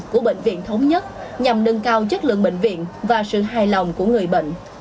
của bệnh viện thống nhất nhằm nâng cao chất lượng bệnh viện và sự hài lòng của người bệnh